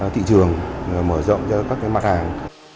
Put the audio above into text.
thị trường mở rộng cho các cái mặt hàng